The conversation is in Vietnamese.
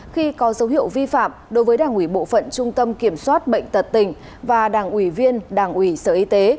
khi có dấu hiệu vi phạm đối với đảng ubktnb tật tình và đảng uy viên đảng uy sở y tế